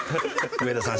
上田さん